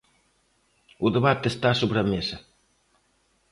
O debate está sobre a mesa.